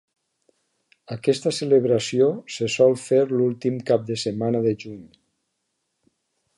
Aquesta celebració se sol fer l'últim cap de setmana de juny.